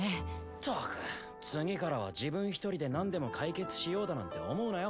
ったく次からは自分１人で何でも解決しようだなんて思うなよ。